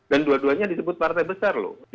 dan dua duanya disebut partai besar loh